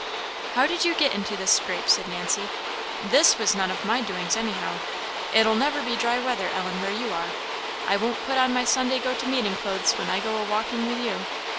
"How did you get into this scrape?" said Nancy; "this was none of my doings anyhow. It'll never be dry weather, Ellen, where you are. I won't put on my Sunday go to meeting clothes when I go a walking with you.